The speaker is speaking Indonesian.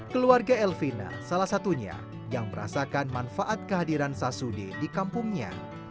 keluarga elvina salah satunya yang merasakan manfaat kehadiran sasudi di kampungnya